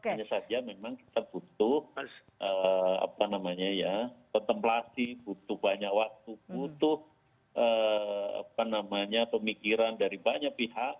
hanya saja memang kita butuh kontemplasi butuh banyak waktu butuh pemikiran dari banyak pihak